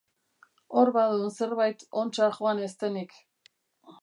Hor badun zerbait ontsa joan ez denik.